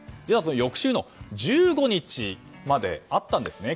翌週の１５日まであったんですね。